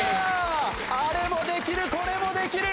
あれもできるこれもできる！